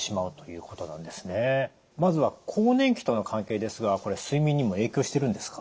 まずは更年期との関係ですがこれ睡眠にも影響してるんですか？